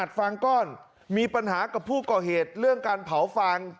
ฟางก้อนมีปัญหากับผู้ก่อเหตุเรื่องการเผาฟาง